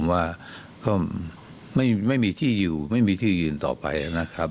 ว่าก็ไม่มีที่อยู่ไม่มีที่ยืนต่อไปนะครับ